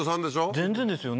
全然ですよね